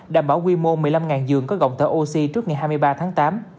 đảm bảo quy mô một mươi năm giường có gọng thở oxy trước ngày hai mươi ba tháng tám